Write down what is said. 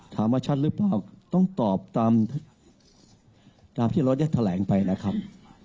ชัดหรือเปล่าต้องตอบตามที่รถได้แถลงไปนะครับ